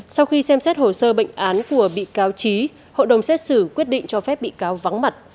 sau khi xem xét hồ sơ bệnh án của bị cáo trí hội đồng xét xử quyết định cho phép bị cáo vắng mặt